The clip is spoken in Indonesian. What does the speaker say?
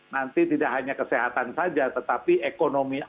nanti tidak hanya kesehatan saja tetapi ekonomi